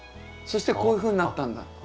そしてこういうふうになったんだ。